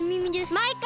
マイカ